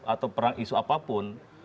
atau perang isu apapun